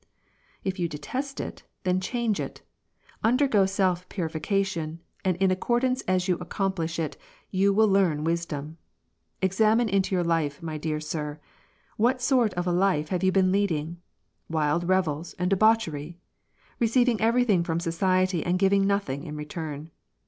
" If you detest it, then change it, undergo self purification, and in accordance as you accomplish it, you will learn wisdom. Examine into your life, my dear sir. What sort of a life have you been leading ? Wild revels, and debauchery ! Receiving everything from society, and giving nothing in return.